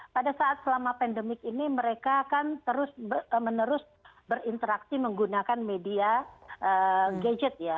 pada saat selama pandemi ini mereka akan terus menerus berinteraksi menggunakan media gadget ya